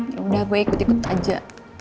yaudah gue ikut ikut aja